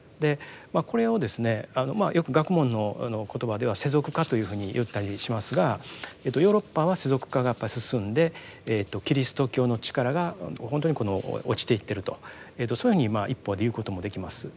これをですねよく学問の言葉では「世俗化」というふうに言ったりしますがヨーロッパは世俗化がやっぱり進んでキリスト教の力がほんとにこの落ちていってるとそういうふうに一方で言うこともできます。